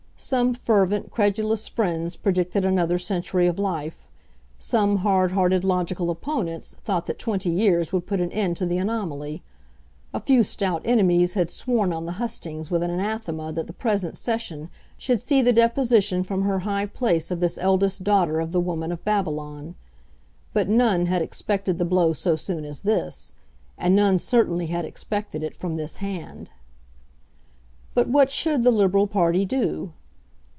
Some fervent, credulous friends predicted another century of life; some hard hearted logical opponents thought that twenty years would put an end to the anomaly: a few stout enemies had sworn on the hustings with an anathema that the present Session should see the deposition from her high place of this eldest daughter of the woman of Babylon. But none had expected the blow so soon as this; and none certainly had expected it from this hand. But what should the Liberal party do?